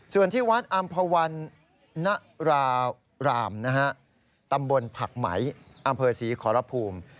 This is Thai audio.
ส่วนที่วัฒน์อามภวัณธ์นะราหลามตำบลผักหมัยอำเภอศรีขอระภูมิ